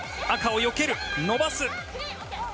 赤をよける、伸ばす。